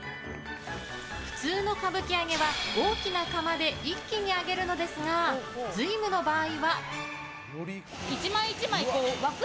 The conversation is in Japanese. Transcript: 普通の歌舞伎揚は、大きな釜で一気に揚げるのですが瑞夢の場合は。